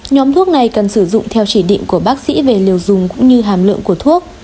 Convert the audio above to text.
nhóm thuốc này cần sử dụng theo chỉ định của bác sĩ về liều dùng cũng như hàm lượng của thuốc